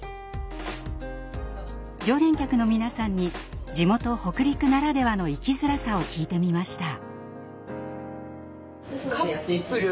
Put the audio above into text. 常連客の皆さんに地元北陸ならではの生きづらさを聞いてみました。